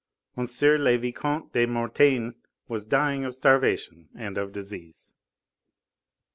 le Vicomte de Mortain was dying of starvation and of disease.